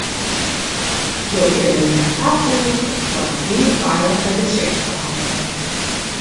Jo kinne by har terjochte foar in wiidweidige gesichtsbehanneling.